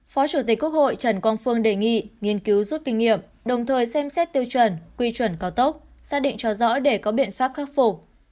phó chủ tịch quốc hội trần quang phương đề nghị nghiên cứu rút kinh nghiệm đồng thời xem xét tiêu chuẩn quy chuẩn cao tốc xác định cho rõ để có biện pháp khắc phục